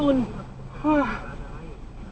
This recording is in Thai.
อะไรวะ